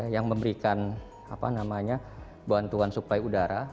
yang memberikan bantuan suplai udara